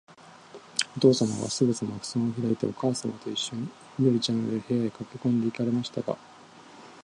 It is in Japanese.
おとうさまは、すぐさまふすまをひらいて、おかあさまといっしょに、緑ちゃんのいる、部屋へかけこんで行かれましたが、